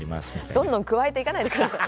どんどん加えていかないでください。